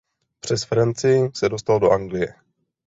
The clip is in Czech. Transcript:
Přes Francii se dostal do Anglie.